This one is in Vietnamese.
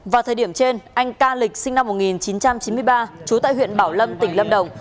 vào thời điểm trên anh ca lịch sinh năm một nghìn chín trăm chín mươi ba trú tại huyện bảo lâm tỉnh lâm đồng